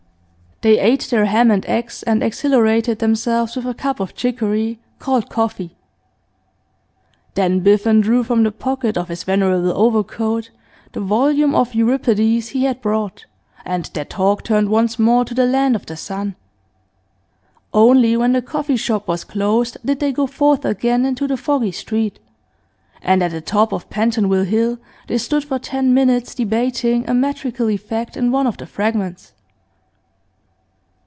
They ate their ham and eggs, and exhilarated themselves with a cup of chicory called coffee. Then Biffen drew from the pocket of his venerable overcoat the volume of Euripides he had brought, and their talk turned once more to the land of the sun. Only when the coffee shop was closed did they go forth again into the foggy street, and at the top of Pentonville Hill they stood for ten minutes debating a metrical effect in one of the Fragments.